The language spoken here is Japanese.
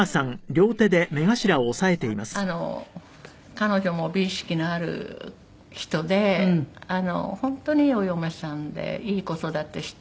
彼女も美意識のある人で本当にいいお嫁さんでいい子育てして。